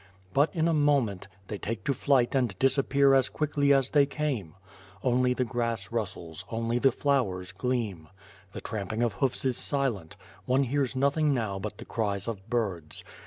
But in a moment — they take to flight and disappear as quickly as they came. Only the grass rustles, only the flowers gleam! The tramping of hoofs is silent; one hears nothing now but the cries of birds.